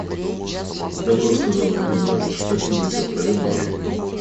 – Добро, – сказала комендантша, – так и быть, отправим Машу.